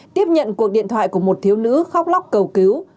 tiếp nhận cuộc điện thoại của một thiếu nữ khóc lóc cầu cứu